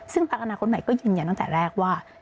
ซึ่งพักอนาคตใหม่ก็ยืนยันตั้งแต่แรกว่า